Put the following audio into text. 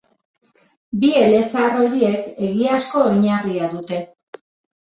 Bi elezahar horiek egiazko oinarria dute.